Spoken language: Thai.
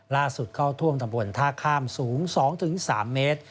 เข้าท่วมตำบลท่าข้ามสูง๒๓เมตร